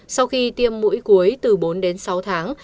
sau khi tiêm mũi cuối từ bốn đến sáu tháng